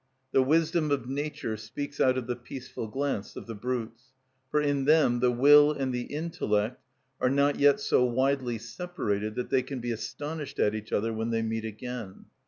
The wisdom of nature speaks out of the peaceful glance of the brutes; for in them the will and the intellect are not yet so widely separated that they can be astonished at each other when they meet again.